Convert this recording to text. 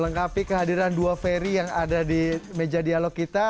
lengkapi kehadiran dua ferry yang ada di meja dialog kita